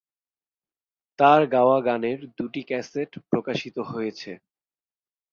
তার গাওয়া গানের দুটি ক্যাসেট প্রকাশিত হয়েছে।।